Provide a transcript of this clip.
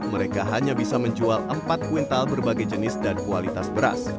mereka hanya bisa menjual empat kuintal berbagai jenis dan kualitas beras